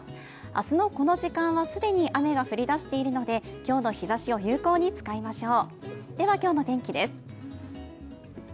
明日のこの時間は既に雨が降り出しているので、今日の日ざしを有効に使いましょう。